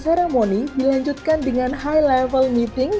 usai opening ceremony dilanjutkan dengan high level meeting